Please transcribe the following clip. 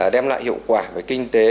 đem lại hiệu quả về kinh tế